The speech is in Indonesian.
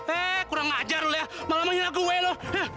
eh kurang ngajar lo ya malah menghina gue lo